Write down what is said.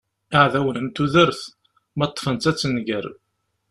Iɛdawen n tudert, ma ṭṭfen-tt ad tenger.